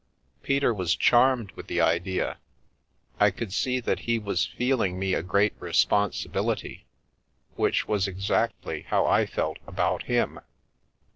Peter was charmed with the idea. I could see that he was feeling me a great responsibility, which was exactly how I felt about him.